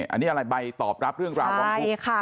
อันนี้อะไรใบตอบรับเรื่องราวของเขา